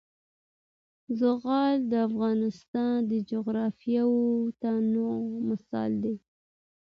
زغال د افغانستان د جغرافیوي تنوع مثال دی.